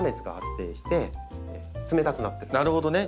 なるほどね。